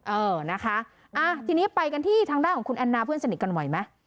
เออนะคะทีนี้ไปกันที่ทางด้านของคุณแอนนาเพื่อนสนิทกันบ่อยไหม